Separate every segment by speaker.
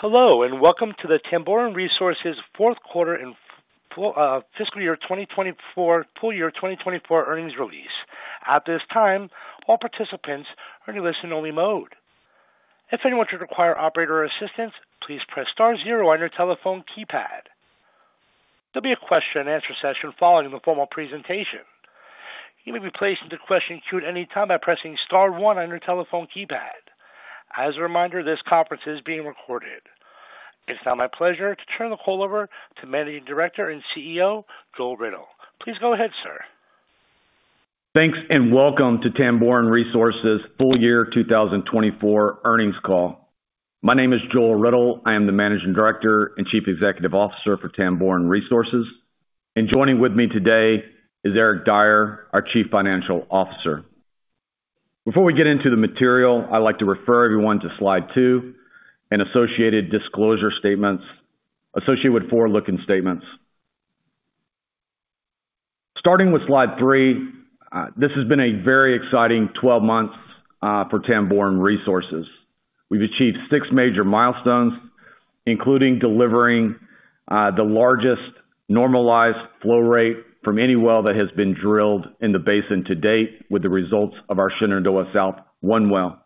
Speaker 1: Hello, and welcome to the Tamboran Resources Q4 and fiscal year 2024 full year 2024 earnings release. At this time, all participants are in listen only mode. If anyone should require operator assistance, please press star zero on your telephone keypad. There'll be a question and answer session following the formal presentation. You may be placed into the question queue at any time by pressing star one on your telephone keypad. As a reminder, this conference is being recorded. It's now my pleasure to turn the call over to Managing Director and CEO, Joel Riddle. Please go ahead, sir.
Speaker 2: Thanks, and welcome to Tamboran Resources' full year two thousand twenty-four earnings call. My name is Joel Riddle. I am the Managing Director and Chief Executive Officer for Tamboran Resources, and joining with me today is Eric Dyer, our Chief Financial Officer. Before we get into the material, I'd like to refer everyone to slide two and associated disclosure statements, associated with forward-looking statements. Starting with slide three, this has been a very exciting twelve months for Tamboran Resources. We've achieved six major milestones, including delivering the largest normalized flow rate from any well that has been drilled in the basin to date with the results of our Shenandoah South one well.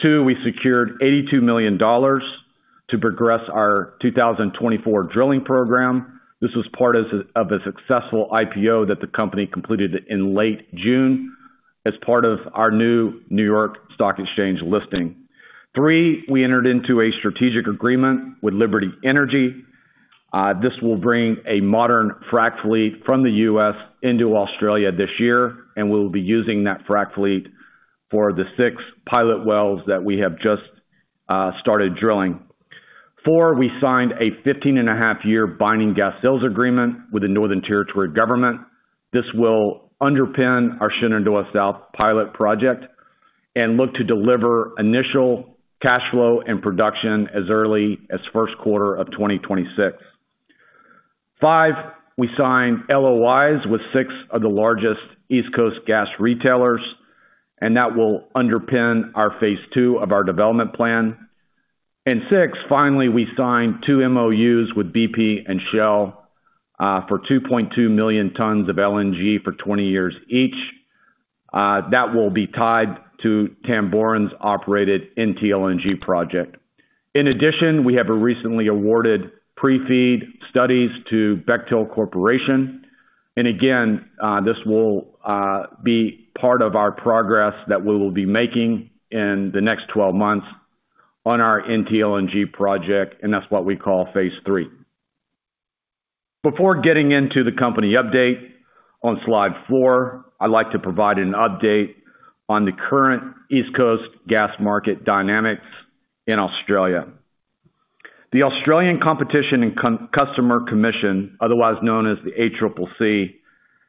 Speaker 2: Two, we secured $82 million to progress our two thousand and twenty-four drilling program. This was part of a successful IPO that the company completed in late June as part of our new New York Stock Exchange listing. Three, we entered into a strategic agreement with Liberty Energy. This will bring a modern frack fleet from the U.S. into Australia this year, and we'll be using that frack fleet for the six pilot wells that we have just started drilling. Four, we signed a 15 and a half year binding gas sales agreement with the Northern Territory Government. This will underpin our Shenandoah South pilot project and look to deliver initial cash flow and production as early as Q1 of 2026. Five, we signed LOIs with six of the largest East Coast gas retailers, and that will underpin our phase two of our development plan. Six, finally, we signed two MOUs with BP and Shell for 2.2 million tons of LNG for 20 years each. That will be tied to Tamboran's operated NTLNG project. In addition, we have a recently awarded pre-FEED studies to Bechtel Corporation, and again, this will be part of our progress that we will be making in the next 12 months on our NTLNG project, and that's what we call phase three. Before getting into the company update on slide 4, I'd like to provide an update on the current East Coast gas market dynamics in Australia. The Australian Competition and Consumer Commission, otherwise known as the ACCC,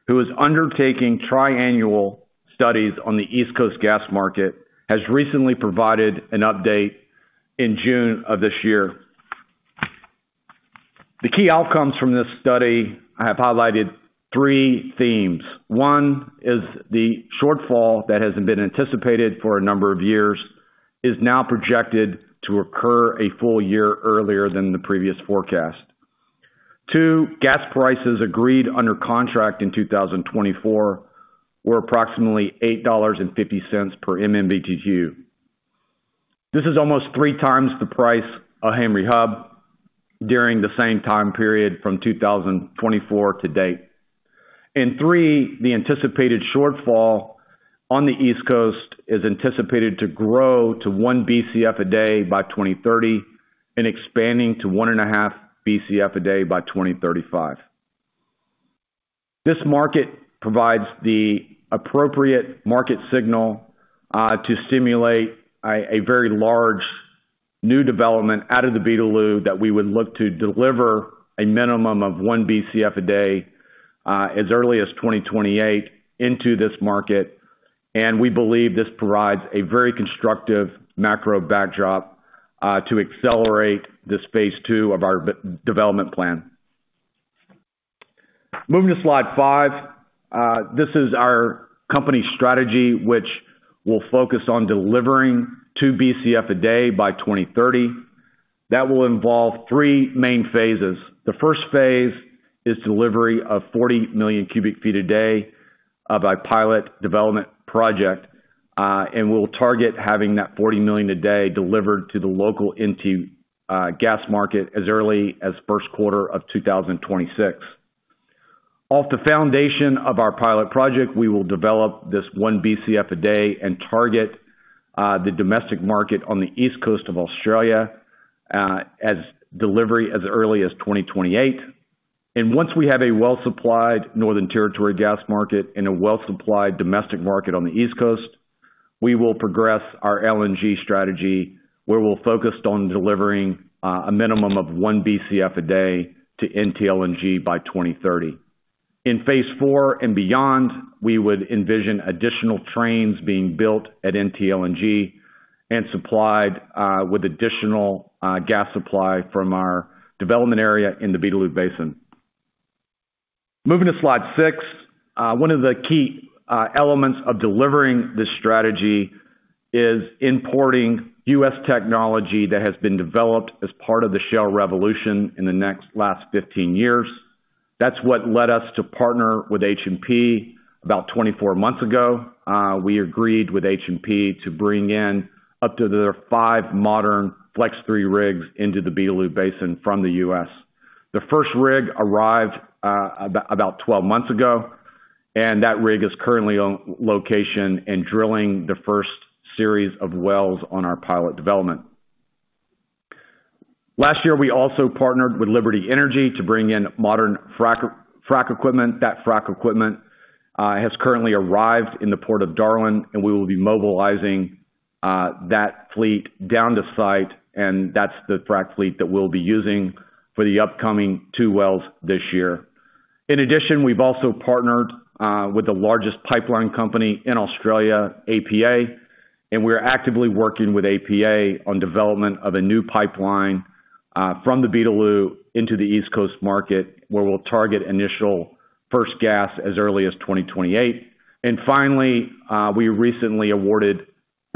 Speaker 2: who is undertaking triennial studies on the East Coast gas market, has recently provided an update in June of this year. The key outcomes from this study, I have highlighted 3 themes. One is the shortfall that hasn't been anticipated for a number of years, is now projected to occur a full year earlier than the previous forecast. Two, gas prices agreed under contract in 2024 were approximately $8.50 per MMBtu. This is almost three times the price of Henry Hub during the same time period from 2024 to date. And three, the anticipated shortfall on the East Coast is anticipated to grow to 1 BCF a day by 2030 and expanding to 1.5 BCF a day by 2035. This market provides the appropriate market signal to stimulate a very large new development out of the Beetaloo, that we would look to deliver a minimum of one BCF a day as early as twenty twenty-eight into this market, and we believe this provides a very constructive macro backdrop to accelerate this phase two of our development plan. Moving to slide five, this is our company strategy, which will focus on delivering two BCF a day by 2030. That will involve three main phases. The first phase is delivery of 40 million cubic feet a day of a pilot development project, and we'll target having that 40 million a day delivered to the local into gas market as early as Q1 of 2026. Off the foundation of our pilot project, we will develop this one BCF a day and target the domestic market on the East Coast of Australia as delivery as early as 2028. And once we have a well-supplied Northern Territory gas market and a well-supplied domestic market on the East Coast, we will progress our LNG strategy, where we'll focus on delivering a minimum of one BCF a day to NTLNG by 2030. In phase four and beyond, we would envision additional trains being built at NTLNG and supplied with additional gas supply from our development area in the Beetaloo Basin. Moving to slide six. One of the key elements of delivering this strategy is importing U.S. technology that has been developed as part of the shale revolution in the last fifteen years. That's what led us to partner with H&P about twenty-four months ago. We agreed with H&P to bring in up to their five modern FlexRig 3 rigs into the Beetaloo Basin from the US. The first rig arrived about twelve months ago, and that rig is currently on location and drilling the first series of wells on our pilot development. Last year, we also partnered with Liberty Energy to bring in modern frack equipment. That frack equipment has currently arrived in the port of Darwin, and we will be mobilizing that fleet down the site, and that's the frack fleet that we'll be using for the upcoming two wells this year. In addition, we've also partnered with the largest pipeline company in Australia, APA, and we're actively working with APA on development of a new pipeline from the Beetaloo into the East Coast market, where we'll target initial first gas as early as 2028. And finally, we recently awarded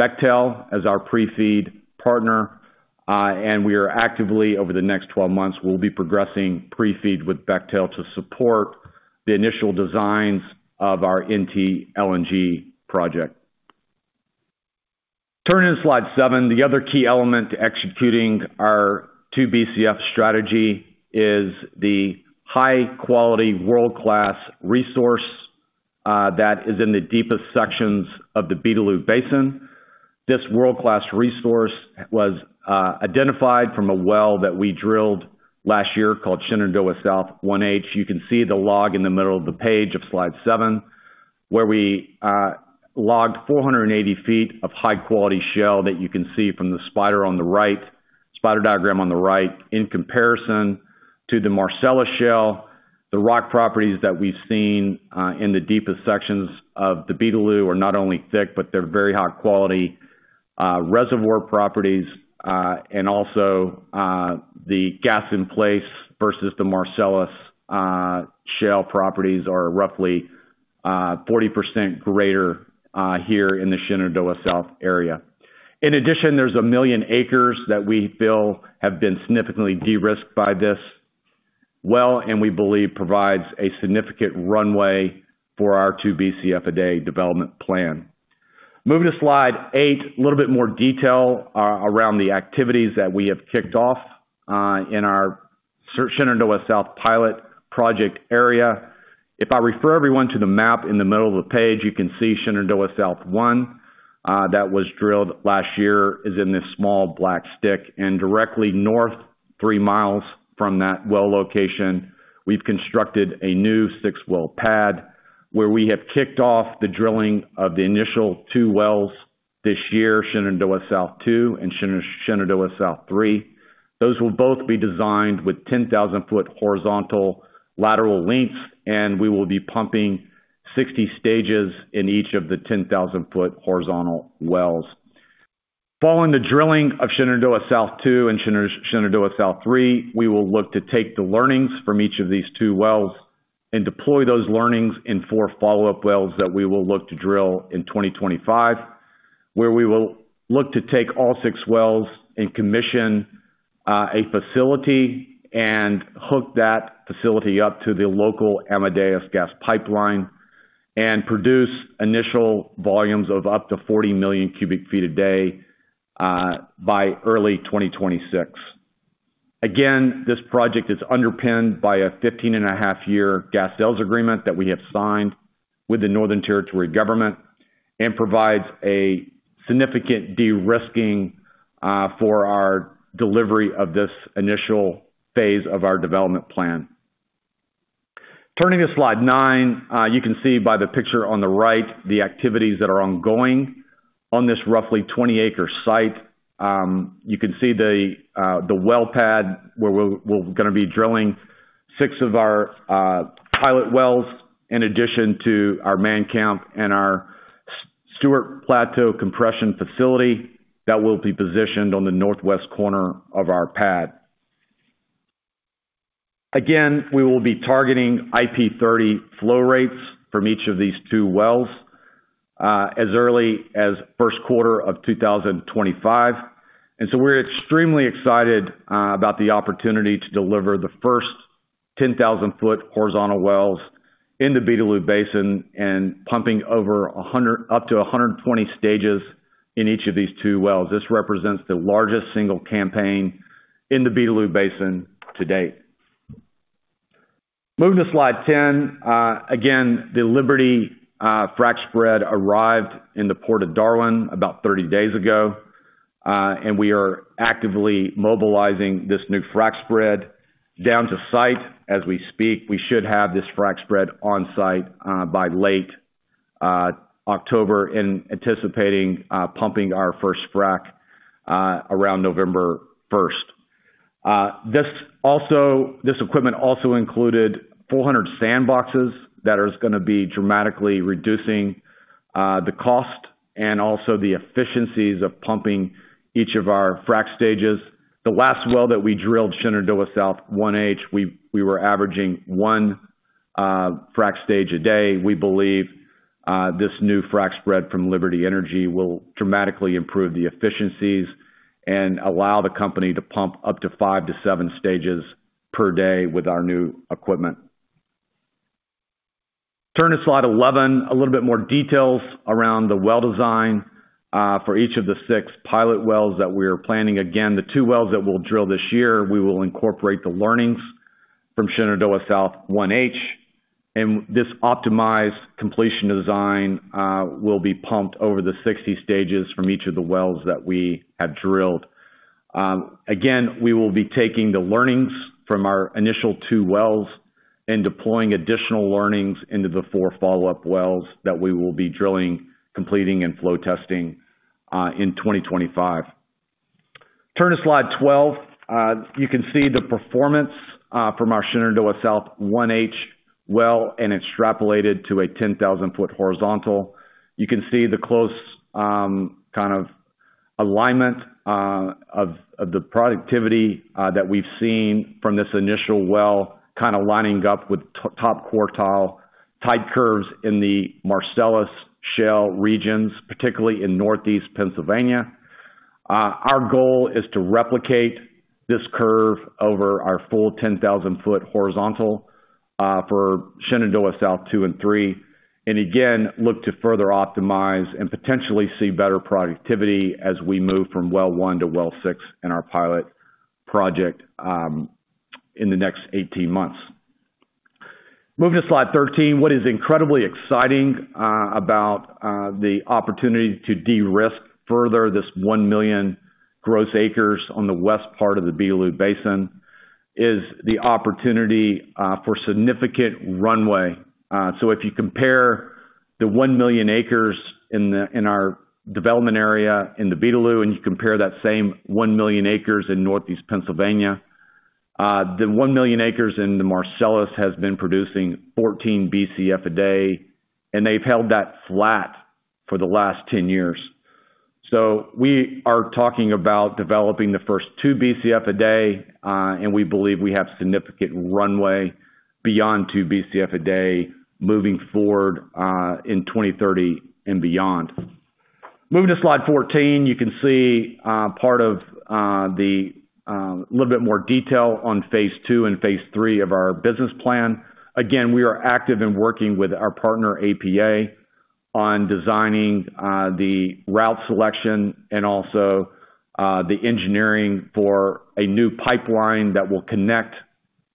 Speaker 2: Bechtel as our pre-feed partner, and we are actively, over the next twelve months, we'll be progressing pre-feed with Bechtel to support the initial designs of our NT LNG project. Turning to slide seven. The other key element to executing our two BCF strategy is the high quality, world-class resource that is in the deepest sections of the Beetaloo Basin. This world-class resource was identified from a well that we drilled last year, called Shenandoah South 1H. You can see the log in the middle of the page of slide seven, where we logged 480 feet of high quality shale that you can see from the spider on the right, spider diagram on the right, in comparison to the Marcellus Shale. The rock properties that we've seen in the deepest sections of the Beetaloo are not only thick, but they're very high quality. Reservoir properties and also the gas in place versus the Marcellus Shale properties are roughly 40% greater here in the Shenandoah South area. In addition, there's a million acres that we feel have been significantly de-risked by this well, and we believe provides a significant runway for our 2 BCF a day development plan. Moving to slide eight. A little bit more detail around the activities that we have kicked off in our Shenandoah South Pilot Project area. If I refer everyone to the map in the middle of the page, you can see Shenandoah South 1 that was drilled last year is in this small black stick, and directly north, three miles from that well location, we've constructed a new six-well pad, where we have kicked off the drilling of the initial two wells this year, Shenandoah South 2 and Shenandoah South 3. Those will both be designed with 10,000-foot horizontal lateral lengths, and we will be pumping 60 stages in each of the 10,000-foot horizontal wells. Following the drilling of Shenandoah South 2 and Shenandoah South 3, we will look to take the learnings from each of these two wells and deploy those learnings in four follow-up wells that we will look to drill in 2025, where we will look to take all six wells and commission a facility and hook that facility up to the local Amadeus Gas Pipeline and produce initial volumes of up to 40 million cubic feet a day by early 2026. Again, this project is underpinned by a 15.5-year gas sales agreement that we have signed with the Northern Territory government and provides a significant de-risking for our delivery of this initial phase of our development plan. Turning to slide 9, you can see by the picture on the right, the activities that are ongoing on this roughly 20-acre site. You can see the well pad, where we're gonna be drilling six of our pilot wells, in addition to our man camp and our Sturt Plateau compression facility that will be positioned on the northwest corner of our pad. Again, we will be targeting IP30 flow rates from each of these two wells, as early as Q1 of 2025. And so we're extremely excited about the opportunity to deliver the first 10,000-foot horizontal wells in the Beetaloo Basin and pumping over 100 up to 120 stages in each of these two wells. This represents the largest single campaign in the Beetaloo Basin to date. Moving to slide 10. Again, the Liberty frack spread arrived in the port of Darwin about 30 days ago, and we are actively mobilizing this new frack spread down to site as we speak. We should have this frack spread on site by late October, and anticipating pumping our first frack around November first. This equipment also included 400 sandboxes that is gonna be dramatically reducing the cost and also the efficiencies of pumping each of our frac stages. The last well that we drilled, Shenandoah South 1H, we were averaging one frac stage a day. We believe this new frac spread from Liberty Energy will dramatically improve the efficiencies and allow the company to pump up to 5-7 stages per day with our new equipment. Turn to slide 11, a little bit more details around the well design for each of the six pilot wells that we are planning. Again, the two wells that we'll drill this year, we will incorporate the learnings from Shenandoah South 1H, and this optimized completion design will be pumped over the 60 stages from each of the wells that we have drilled. Again, we will be taking the learnings from our initial two wells and deploying additional learnings into the four follow-up wells that we will be drilling, completing, and flow testing in 2025. Turn to slide 12. You can see the performance from our Shenandoah South 1H well and extrapolated to a 10,000-foot horizontal. You can see the close, kind of alignment, of the productivity, that we've seen from this initial well, kind of lining up with top quartile type curves in the Marcellus Shale regions, particularly in Northeast Pennsylvania. Our goal is to replicate this curve over our full 10,000-foot horizontal, for Shenandoah South 2 and 3, and again, look to further optimize and potentially see better productivity as we move from well 1 to well 6 in our pilot project, in the next 18 months. Moving to slide 13, what is incredibly exciting, about the opportunity to de-risk further this 1 million gross acres on the west part of the Beetaloo Basin, is the opportunity, for significant runway. So if you compare the one million acres in our development area in the Beetaloo, and you compare that same one million acres in Northeast Pennsylvania, the one million acres in the Marcellus has been producing 14 BCF a day, and they've held that flat for the last 10 years. So we are talking about developing the first two BCF a day, and we believe we have significant runway beyond two BCF a day moving forward in 2030 and beyond. Moving to slide 14, you can see part of the little bit more detail on phase two and phase three of our business plan. Again, we are active in working with our partner, APA, on designing the route selection and also the engineering for a new pipeline that will connect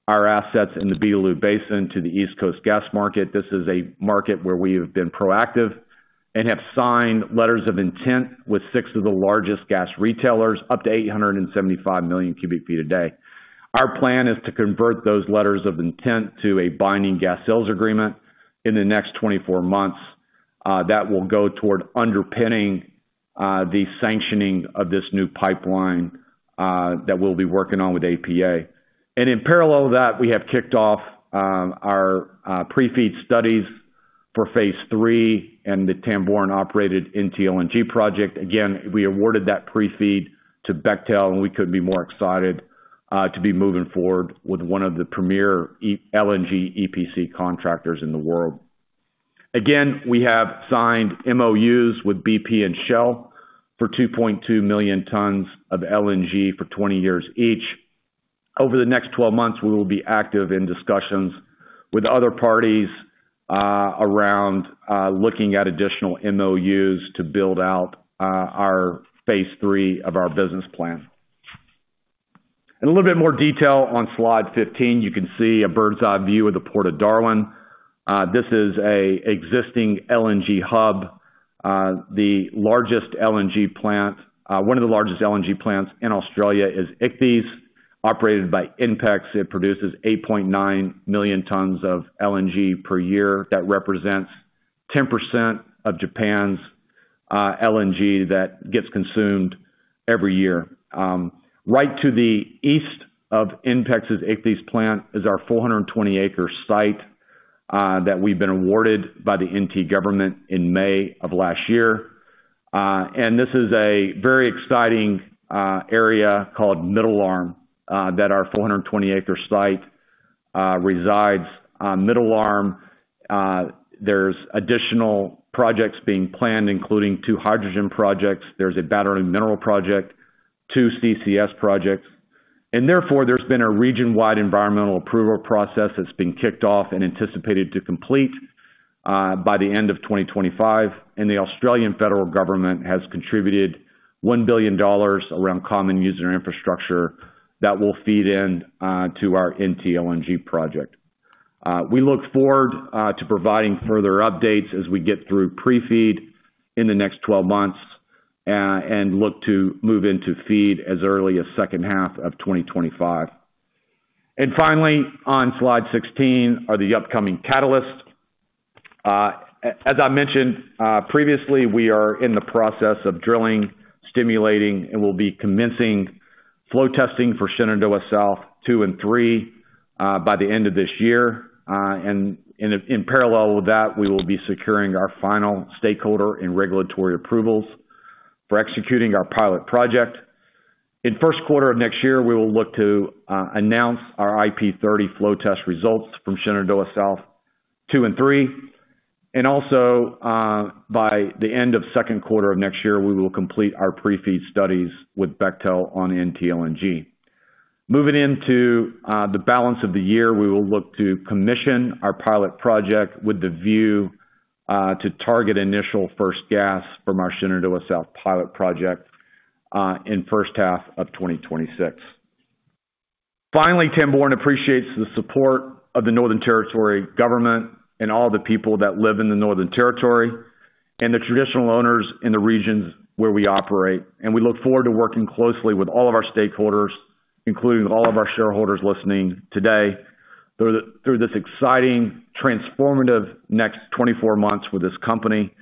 Speaker 2: our assets in the Beetaloo Basin to the East Coast gas market. This is a market where we have been proactive and have signed letters of intent with six of the largest gas retailers, up to eight hundred and seventy-five million cubic feet a day. Our plan is to convert those letters of intent to a binding gas sales agreement in the next twenty-four months that will go toward underpinning the sanctioning of this new pipeline that we'll be working on with APA, and in parallel to that, we have kicked off our pre-FEED studies for phase three and the Tamboran-operated NTLNG project. Again, we awarded that pre-FEED to Bechtel, and we couldn't be more excited to be moving forward with one of the premier LNG EPC contractors in the world. Again, we have signed MOUs with BP and Shell for 2.2 million tons of LNG for 20 years each. Over the next 12 months, we will be active in discussions with other parties around looking at additional MOUs to build out our phase three of our business plan. A little bit more detail on slide 15, you can see a bird's-eye view of the Port of Darwin. This is an existing LNG hub. The largest LNG plant, one of the largest LNG plants in Australia, is Ichthys, operated by INPEX. It produces 8.9 million tons of LNG per year. That represents 10% of Japan's LNG that gets consumed every year. Right to the east of INPEX's Ichthys plant is our 420-acre site that we've been awarded by the NT government in May of last year, and this is a very exciting area called Middle Arm that our 420-acre site resides. On Middle Arm, there's additional projects being planned, including two hydrogen projects. There's a battery and mineral project, two CCS projects, and therefore, there's been a region-wide environmental approval process that's been kicked off and anticipated to complete by the end of 2025, and the Australian Federal Government has contributed 1 billion dollars around common user infrastructure that will feed in to our NT LNG project. We look forward to providing further updates as we get through pre-FEED in the next 12 months, and look to move into FEED as early as second half of 2025. And finally, on slide 16 are the upcoming catalysts. As I mentioned previously, we are in the process of drilling, stimulating, and we'll be commencing flow testing for Shenandoah South two and three by the end of this year. And in parallel with that, we will be securing our final stakeholder and regulatory approvals for executing our pilot project. In Q1 of next year, we will look to announce our IP-30 flow test results from Shenandoah South two and three. And also by the end of Q2 of next year, we will complete our pre-FEED studies with Bechtel on NTLNG. Moving into the balance of the year, we will look to commission our pilot project with the view to target initial first gas from our Shenandoah South pilot project in first half of 2026. Finally, Tamboran appreciates the support of the Northern Territory Government and all the people that live in the Northern Territory, and the traditional owners in the regions where we operate. We look forward to working closely with all of our stakeholders, including all of our shareholders listening today, through this exciting, transformative next 24 months with this company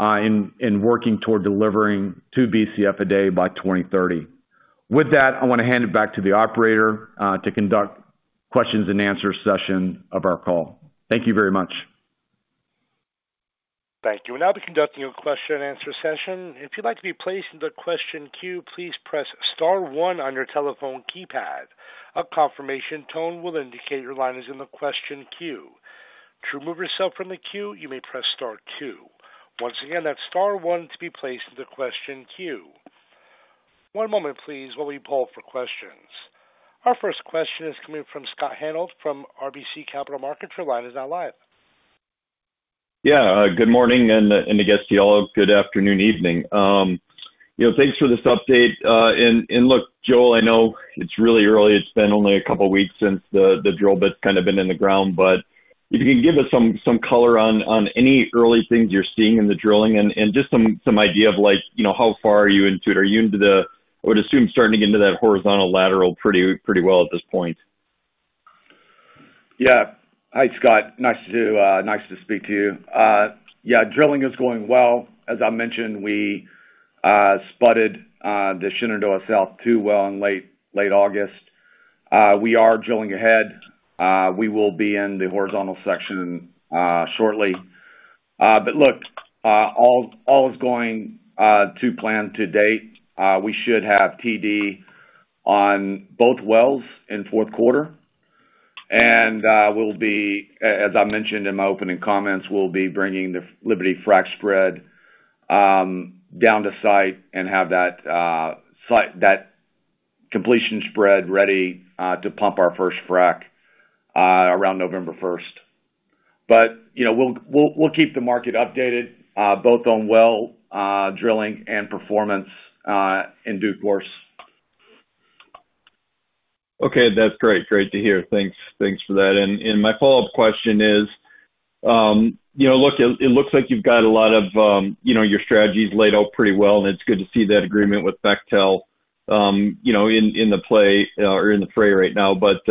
Speaker 2: in working toward delivering two BCF a day by 2030. With that, I want to hand it back to the operator to conduct questions and answer session of our call. Thank you very much.
Speaker 1: Thank you. We'll now be conducting a question and answer session. If you'd like to be placed in the question queue, please press star one on your telephone keypad. A confirmation tone will indicate your line is in the question queue. To remove yourself from the queue, you may press star two. Once again, that's star one to be placed in the question queue. One moment, please, while we poll for questions. Our first question is coming from Scott Hanold from RBC Capital Markets. Your line is now live.
Speaker 3: Yeah, good morning, and I guess to you all, good afternoon, evening. You know, thanks for this update. And look, Joel, I know it's really early. It's been only a couple of weeks since the drill bit's kind of been in the ground, but if you can give us some color on any early things you're seeing in the drilling and just some idea of like, you know, how far are you into it? Are you into the... I would assume starting to get into that horizontal lateral pretty well at this point.
Speaker 2: Yeah. Hi, Scott. Nice to speak to you. Yeah, drilling is going well. As I mentioned, we spudded the Shenandoah South 2 well in late August. We are drilling ahead. We will be in the horizontal section shortly. But look, all is going to plan to date. We should have TD on both wells in Q4, and we'll be, as I mentioned in my opening comments, we'll be bringing the Liberty frack spread down to site and have that site, that completion spread ready to pump our first frack around November first. But, you know, we'll keep the market updated both on well drilling and performance in due course.
Speaker 3: Okay, that's great. Great to hear. Thanks, thanks for that. And my follow-up question is, you know, look, it looks like you've got a lot of, you know, your strategies laid out pretty well, and it's good to see that agreement with Bechtel, you know, in the play or in the fray right now. But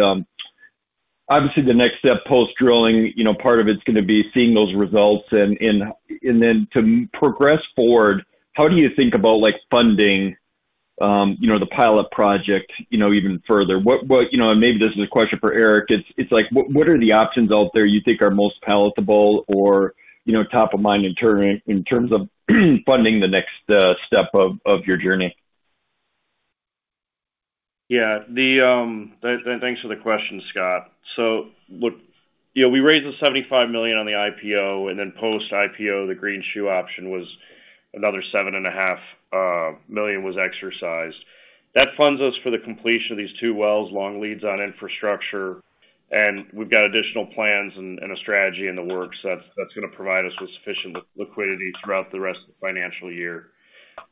Speaker 3: obviously, the next step post-drilling, you know, part of it's gonna be seeing those results. And then to progress forward, how do you think about, like, funding, you know, the pilot project, you know, even further? What, you know, and maybe this is a question for Eric. It's like, what are the options out there you think are most palatable or, you know, top of mind in terms of funding the next step of your journey?
Speaker 4: Yeah, thanks for the question, Scott. So look, you know, we raised $75 million on the IPO, and then post-IPO, the green shoe option was another $7.5 million was exercised. That funds us for the completion of these two wells, long leads on infrastructure, and we've got additional plans and a strategy in the works that's gonna provide us with sufficient liquidity throughout the rest of the financial year.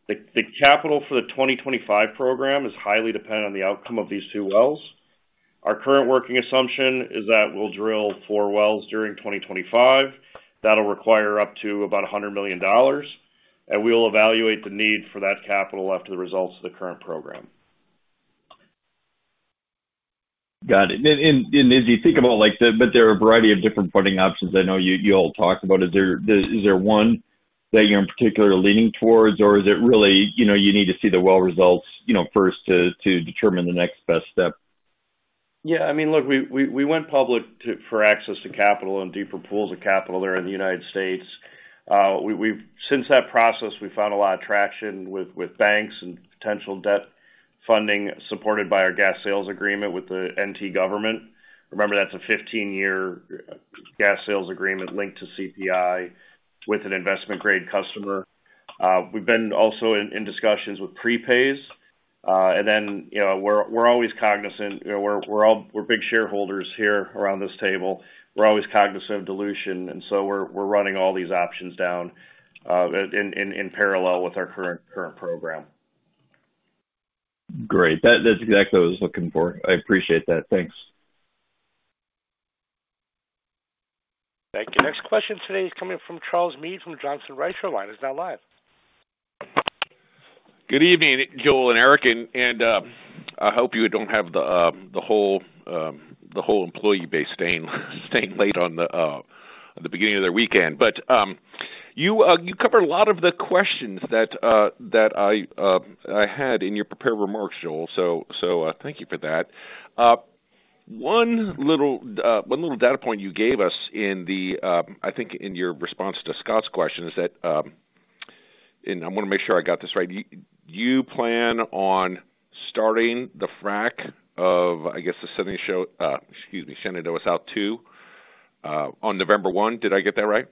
Speaker 4: The capital for the 2025 program is highly dependent on the outcome of these two wells. Our current working assumption is that we'll drill four wells during 2025. That'll require up to about $100 million, and we'll evaluate the need for that capital after the results of the current program.
Speaker 3: Got it. And as you think about, like, but there are a variety of different funding options I know you all talked about. Is there one that you're in particular leaning towards, or is it really, you know, you need to see the well results, you know, first to determine the next best step?
Speaker 4: Yeah, I mean, look, we went public to—for access to capital and deeper pools of capital there in the United States. We’ve since that process found a lot of traction with banks and potential debt funding supported by our gas sales agreement with the NT government. Remember, that’s a fifteen-year gas sales agreement linked to CPI with an investment grade customer. We’ve been also in discussions with prepays, and then, you know, we’re always cognizant, you know, we’re all... We’re big shareholders here around this table. We’re always cognizant of dilution, and so we’re running all these options down, in parallel with our current program.
Speaker 3: Great. That's exactly what I was looking for. I appreciate that. Thanks.
Speaker 1: Thank you. Next question today is coming from Charles Meade from Johnson Rice. Your line is now live.
Speaker 5: Good evening, Joel and Eric. I hope you don't have the whole employee base staying late on the beginning of their weekend. You covered a lot of the questions that I had in your prepared remarks, Joel, so thank you for that. One little data point you gave us, I think in your response to Scott's question, is that, and I wanna make sure I got this right: you plan on starting the frack of, I guess, Shenandoah South two, excuse me, on November one. Did I get that right?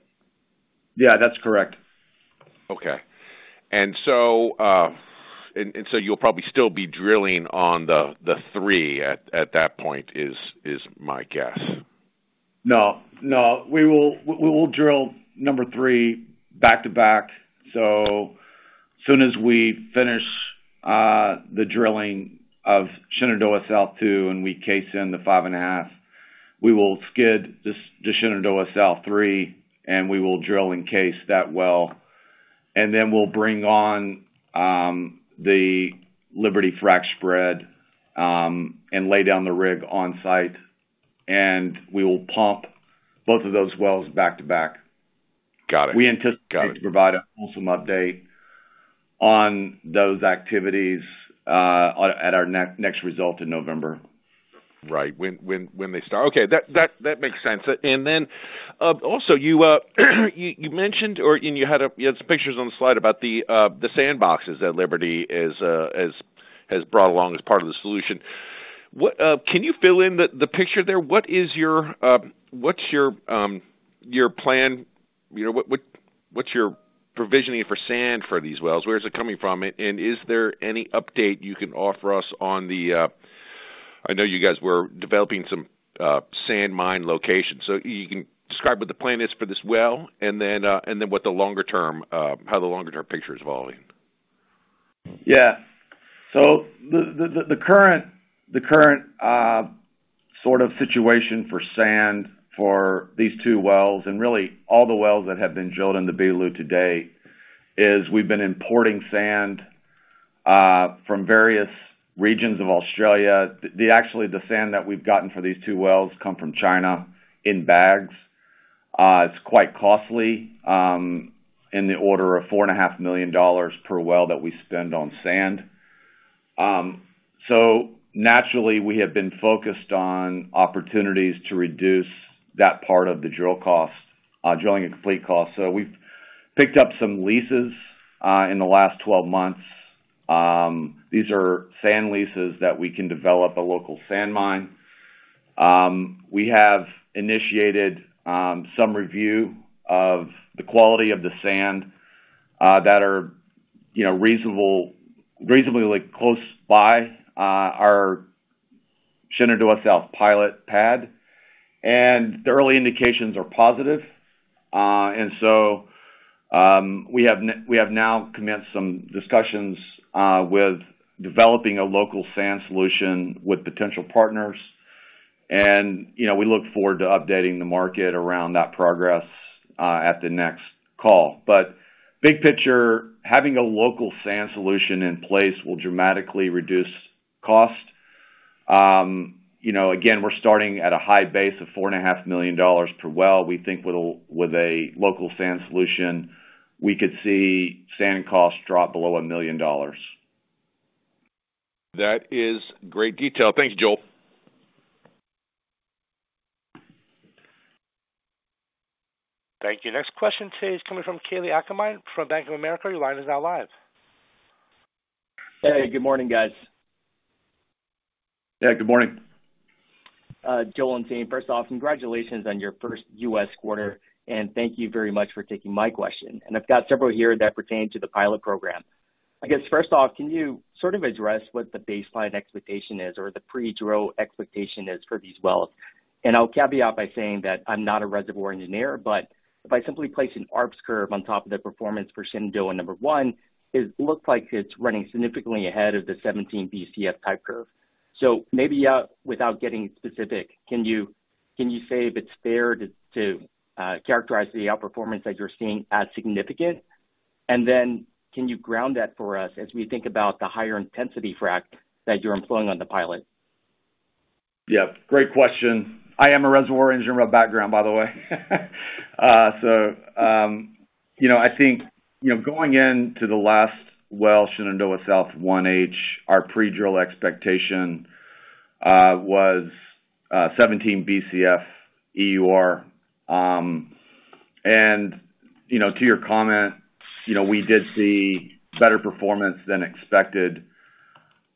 Speaker 2: Yeah, that's correct.
Speaker 5: Okay, and so you'll probably still be drilling on the three at that point, is my guess.
Speaker 2: No, no. We will drill number three back to back. So as soon as we finish the drilling of Shenandoah South two, and we case in the five and a half, we will skid the Shenandoah South three, and we will drill and case that well. Then we'll bring on the Liberty frack spread, and lay down the rig on site, and we will pump both of those wells back to back.
Speaker 5: Got it. Got it.
Speaker 2: We anticipate to provide a wholesome update on those activities at our next result in November.
Speaker 5: Right. When they start. Okay, that makes sense. And then, also, you mentioned or and you had some pictures on the slide about the sandboxes that Liberty has brought along as part of the solution. What can you fill in the picture there? What is your plan? You know, what's your provisioning for sand for these wells? Where is it coming from? And is there any update you can offer us on the? I know you guys were developing some sand mine locations. So you can describe what the plan is for this well, and then what the longer term, how the longer-term picture is evolving.
Speaker 2: Yeah. So the current sort of situation for sand for these two wells, and really all the wells that have been drilled in the Beetaloo to date, is we've been importing sand from various regions of Australia. Actually, the sand that we've gotten for these two wells come from China in bags. It's quite costly, in the order of $4.5 million per well that we spend on sand. So naturally, we have been focused on opportunities to reduce that part of the drill cost, drilling and completion cost. We've picked up some leases in the last twelve months. These are sand leases that we can develop a local sand mine. We have initiated some review of the quality of the sand that are, you know, reasonably close by our Shenandoah South pilot pad, and the early indications are positive. And so, we have now commenced some discussions with developing a local sand solution with potential partners. And, you know, we look forward to updating the market around that progress at the next call. But big picture, having a local sand solution in place will dramatically reduce cost. You know, again, we're starting at a high base of 4.5 million dollars per well. We think it'll... With a local sand solution, we could see sand costs drop below 1 million dollars.
Speaker 5: That is great detail. Thank you, Joel.
Speaker 1: Thank you. Next question today is coming from Kalei Akamine from Bank of America. Your line is now live.
Speaker 6: Hey, good morning, guys.
Speaker 2: Yeah, good morning.
Speaker 6: Joel and team, first off, congratulations on your first U.S. quarter, and thank you very much for taking my question. And I've got several here that pertain to the pilot program. I guess, first off, can you sort of address what the baseline expectation is or the pre-drill expectation is for these wells? And I'll caveat by saying that I'm not a reservoir engineer, but if I simply place an Arps curve on top of the performance for Shenandoah number one, it looks like it's running significantly ahead of the seventeen BCF type curve. So maybe, without getting specific, can you say if it's fair to characterize the outperformance that you're seeing as significant? And then can you ground that for us as we think about the higher intensity frack that you're employing on the pilot?
Speaker 2: Yeah, great question. I am a reservoir engineer by background, by the way. You know, I think, you know, going into the last well, Shenandoah South 1H, our pre-drill expectation was seventeen BCF EUR. You know, to your comment, you know, we did see better performance than expected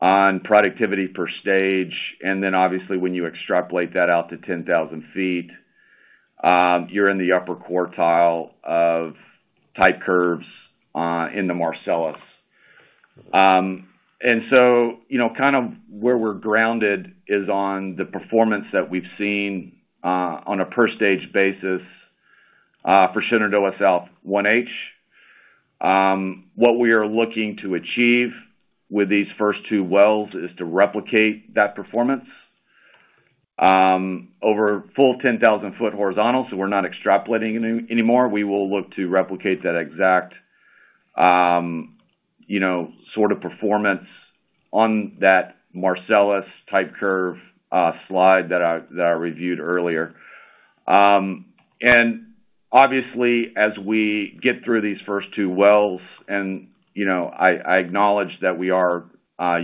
Speaker 2: on productivity per stage, and then obviously, when you extrapolate that out to ten thousand feet, you're in the upper quartile of type curves in the Marcellus. You know, kind of where we're grounded is on the performance that we've seen on a per stage basis for Shenandoah South 1H. What we are looking to achieve with these first two wells is to replicate that performance over a full ten thousand foot horizontal, so we're not extrapolating anymore. We will look to replicate that exact, you know, sort of performance on that Marcellus type curve, slide that I reviewed earlier. And obviously, as we get through these first two wells and, you know, I acknowledge that we are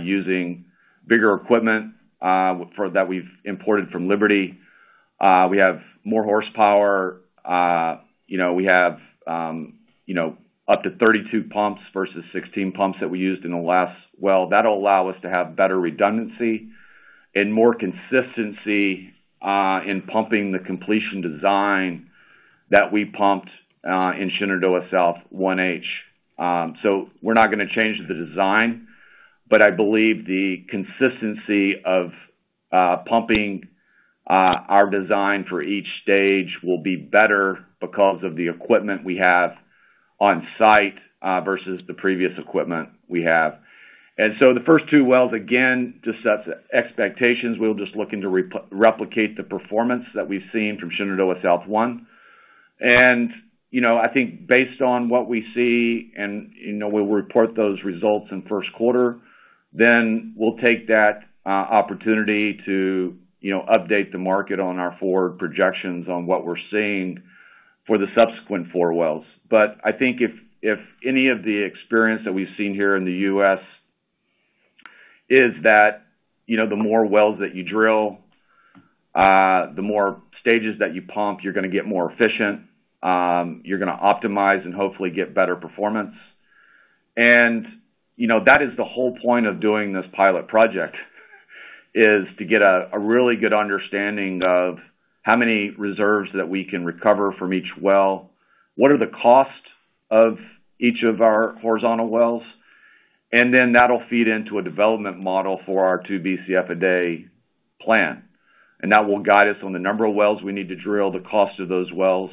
Speaker 2: using bigger equipment for that we've imported from Liberty. We have more horsepower. You know, we have up to 32 pumps versus 16 pumps that we used in the last well. That'll allow us to have better redundancy and more consistency in pumping the completion design that we pumped in Shenandoah South 1H. So we're not gonna change the design, but I believe the consistency of pumping our design for each stage will be better because of the equipment we have on site versus the previous equipment we have. And so the first two wells, again, to set the expectations, we're just looking to replicate the performance that we've seen from Shenandoah South One. And, you know, I think based on what we see, and, you know, we'll report those results in Q1, then we'll take that opportunity to, you know, update the market on our forward projections on what we're seeing for the subsequent four wells. But I think if any of the experience that we've seen here in the U.S. is that, you know, the more wells that you drill, the more stages that you pump, you're gonna get more efficient, you're gonna optimize and hopefully get better performance. You know, that is the whole point of doing this pilot project, is to get a really good understanding of how many reserves that we can recover from each well, what are the costs of each of our horizontal wells, and then that'll feed into a development model for our two BCF a day plan. That will guide us on the number of wells we need to drill, the cost of those wells.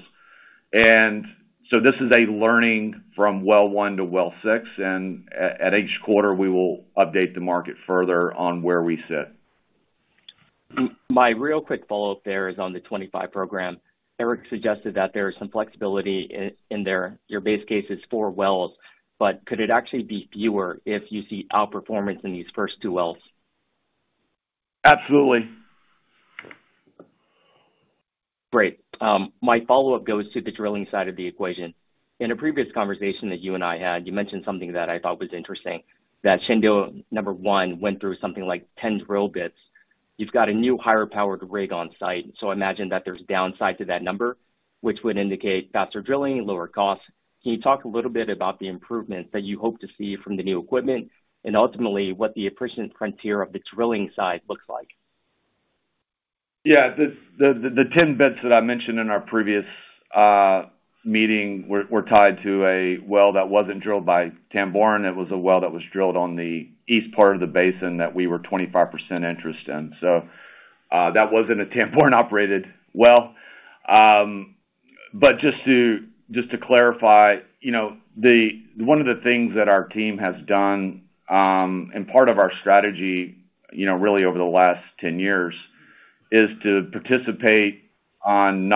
Speaker 2: So this is a learning from well one to well six, and at each quarter, we will update the market further on where we sit.
Speaker 6: My real quick follow-up there is on the 2025 program. Eric suggested that there is some flexibility in there. Your base case is four wells, but could it actually be fewer if you see outperformance in these first two wells?
Speaker 2: Absolutely.
Speaker 6: Great. My follow-up goes to the drilling side of the equation. In a previous conversation that you and I had, you mentioned something that I thought was interesting, that Shenandoah number one went through something like ten drill bits. You've got a new higher-powered rig on site, so I imagine that there's downside to that number, which would indicate faster drilling, lower costs. Can you talk a little bit about the improvements that you hope to see from the new equipment and ultimately what the efficient frontier of the drilling side looks like?
Speaker 2: Yeah. The ten bits that I mentioned in our previous meeting were tied to a well that wasn't drilled by Tamboran. It was a well that was drilled on the east part of the basin that we were 25% interested in. So, that wasn't a Tamboran-operated well. But just to clarify, you know. One of the things that our team has done, and part of our strategy, you know, really over the last 10 years, is to participate on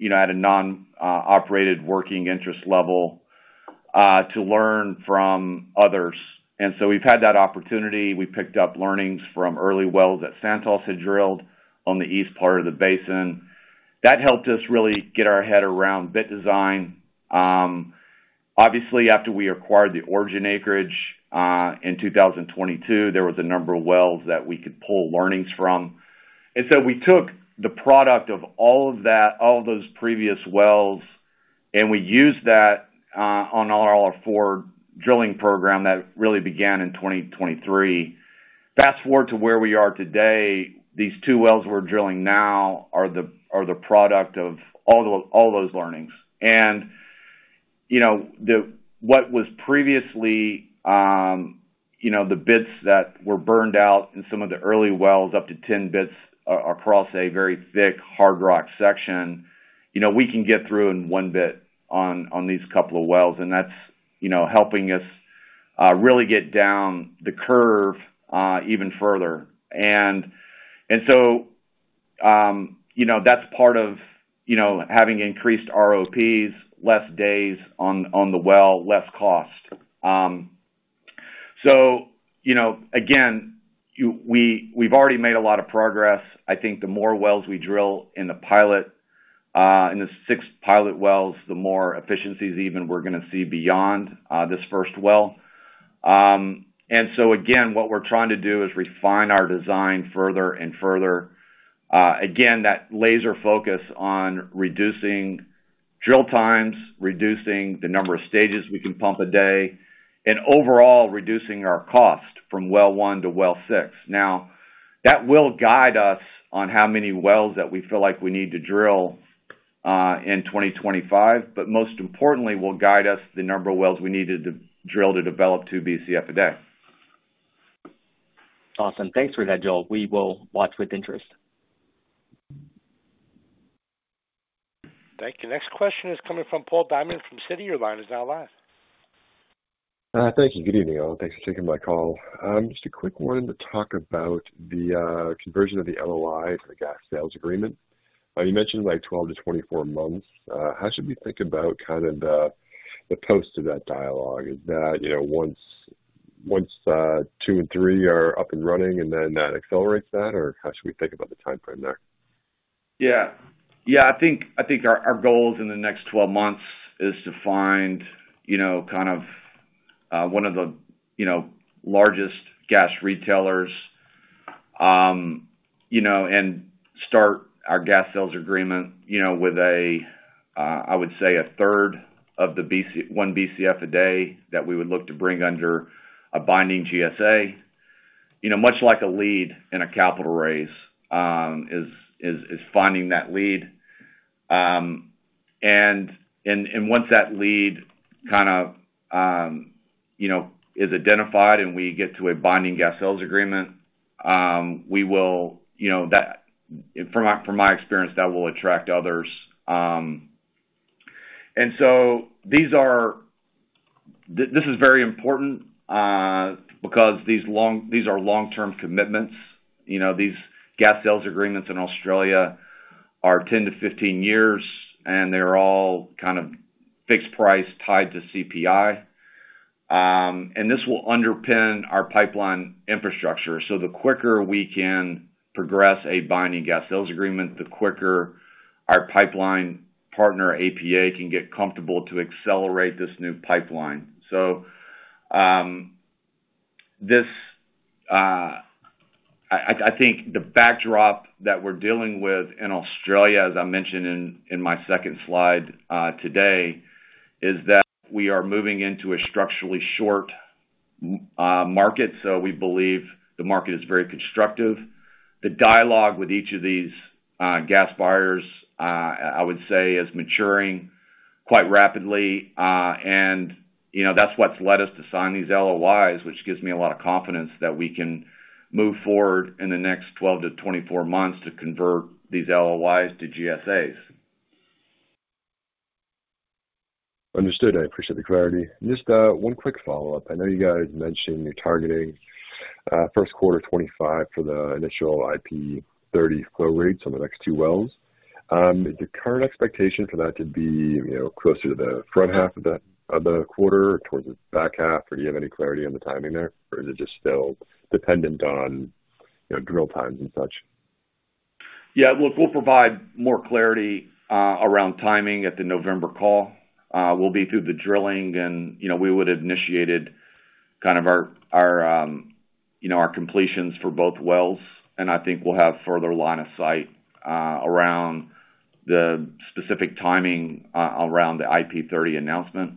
Speaker 2: non-operated working interest level, you know, to learn from others. So we've had that opportunity. We picked up learnings from early wells that Santos had drilled on the east part of the basin. That helped us really get our head around bit design. Obviously, after we acquired the Origin acreage in 2022, there was a number of wells that we could pull learnings from. So we took the product of all of that, all of those previous wells, and we used that on all our 2024 drilling program that really began in 2023. Fast forward to where we are today, these two wells we're drilling now are the product of all those learnings. You know, what was previously the bits that were burned out in some of the early wells, up to 10 bits across a very thick, hard rock section, you know, we can get through in one bit on these couple of wells, and that's, you know, helping us really get down the curve even further. You know, that's part of, you know, having increased ROPs, less days on the well, less cost. You know, again, we've already made a lot of progress. I think the more wells we drill in the pilot, in the six pilot wells, the more efficiencies even we're gonna see beyond this first well. What we're trying to do is refine our design further and further. That laser focus on reducing drill times, reducing the number of stages we can pump a day, and overall, reducing our cost from well one to well six. Now, that will guide us on how many wells that we feel like we need to drill, in 2025, but most importantly, will guide us the number of wells we need to drill to develop two BCF a day.
Speaker 6: Awesome. Thanks for that, Joel. We will watch with interest.
Speaker 1: Thank you. Next question is coming from Paul Diamond from Citi. Line is now live.
Speaker 7: Thank you. Good evening, all. Thanks for taking my call. Just a quick one to talk about the conversion of the LOI for the gas sales agreement. You mentioned like 12-24 months. How should we think about kind of the pace of that dialogue? Is that, you know, once two and three are up and running, and then that accelerates that? Or how should we think about the timeframe there?
Speaker 2: Yeah. Yeah, I think our goals in the next twelve months is to find, you know, kind of, one of the, you know, largest gas retailers, and start our gas sales agreement, you know, with a, I would say a third of the BCF a day that we would look to bring under a binding GSA. You know, much like a lead in a capital raise, is finding that lead. And once that lead kind of, you know, is identified and we get to a binding gas sales agreement, we will. You know, that from my experience, that will attract others. And so these are, this is very important, because these are long-term commitments. You know, these gas sales agreements in Australia are 10-15 years, and they're all kind of fixed price tied to CPI. And this will underpin our pipeline infrastructure. So the quicker we can progress a binding gas sales agreement, the quicker our pipeline partner, APA, can get comfortable to accelerate this new pipeline. So, I think the backdrop that we're dealing with in Australia, as I mentioned in my second slide today, is that we are moving into a structurally short market, so we believe the market is very constructive. The dialogue with each of these gas buyers, I would say, is maturing quite rapidly. You know, that's what's led us to sign these LOIs, which gives me a lot of confidence that we can move forward in the next 12 to 24 months to convert these LOIs to GSAs.
Speaker 7: Understood. I appreciate the clarity. Just one quick follow-up. I know you guys mentioned you're targeting Q1 2025 for the initial IP thirty flow rates on the next two wells. Is the current expectation for that to be, you know, closer to the front half of the quarter, towards the back half, or do you have any clarity on the timing there? Or is it just still dependent on, you know, drill times and such?
Speaker 2: Yeah. Look, we'll provide more clarity around timing at the November call. We'll be through the drilling and, you know, we would've initiated kind of our completions for both wells, and I think we'll have further line of sight around the specific timing around the IP30 announcement.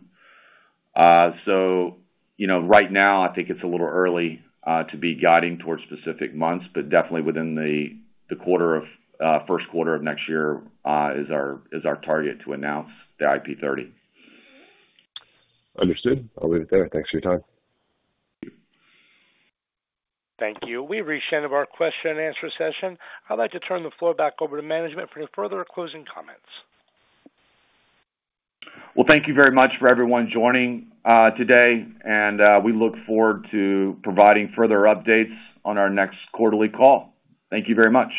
Speaker 2: So, you know, right now, I think it's a little early to be guiding towards specific months, but definitely within the Q1 of next year is our target to announce the IP30.
Speaker 7: Understood. I'll leave it there. Thanks for your time.
Speaker 1: Thank you. We've reached the end of our question and answer session. I'd like to turn the floor back over to management for any further closing comments.
Speaker 2: Thank you very much for everyone joining today, and we look forward to providing further updates on our next quarterly call. Thank you very much.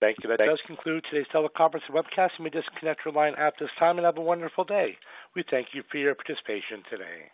Speaker 1: Thank you. That does conclude today's teleconference and webcast. You may disconnect your line at this time, and have a wonderful day. We thank you for your participation today.